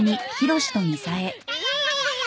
たややや。